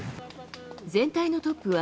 全体のトップは、